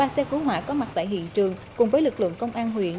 ba xe cứu hỏa có mặt tại hiện trường cùng với lực lượng công an huyện